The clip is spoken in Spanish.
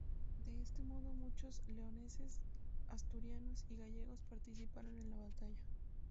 De este modo, muchos leoneses, asturianos y gallegos participaron en la batalla.